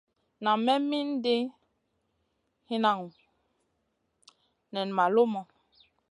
Nan me mindi hinanŋu nen ma lumu.